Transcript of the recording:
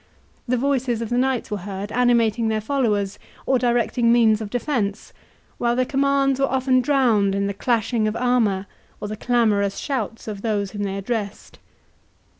The voices of the knights were heard, animating their followers, or directing means of defence, while their commands were often drowned in the clashing of armour, or the clamorous shouts of those whom they addressed.